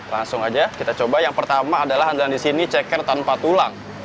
langsung aja kita coba yang pertama adalah andalan di sini ceker tanpa tulang